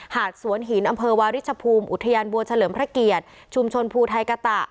หาดสวนหินอำเภอวาริชภูมิอุทยานบัวเฉลิมพระเกียรติชุมชนภูไทยกะตะ